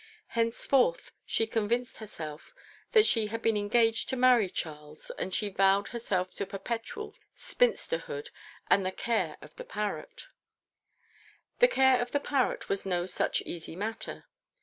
Henceforth she convinced herself that she had been engaged to marry Charles, and she vowed herself to perpetual spinsterhood and the care of the parrot. The care of the parrot was no such easy matter.